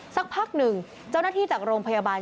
สักพักหนึ่งเจ้าหน้าที่จากโรงพยาบาล